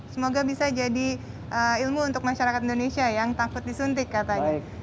semoga bisa jadi ilmu untuk masyarakat indonesia yang takut disuntik katanya